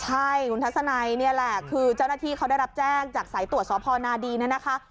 ใช่คุณทัศนัยนี่แหละคือเจ้าหน้าที่เขาได้รับแจ้งจากสายตรวจสพนาดีเนี่ยนะคะ